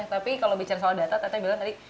tapi kalau bicara soal data tete bilang tadi